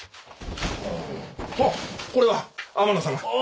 あっこれは天野さまあぁ